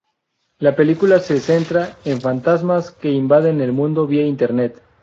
La película se centra en fantasmas que invaden el mundo vía Internet.